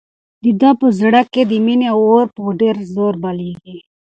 د ده په زړه کې د مینې اور په ډېر زور بلېږي.